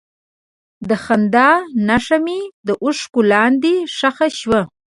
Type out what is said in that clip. د خندا نښه مې د اوښکو لاندې ښخ شوه.